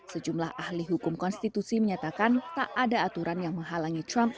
sejumlah ahli hukum konstitusi menyatakan tak ada aturan yang menghalangi trump